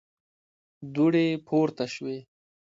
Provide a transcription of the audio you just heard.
دوړې پورته شوې.